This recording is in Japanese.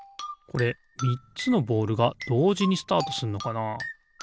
これみっつのボールがどうじにスタートすんのかな？